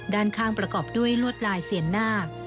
ด้านข้างประกอบด้วยลวดลายเสียนนาค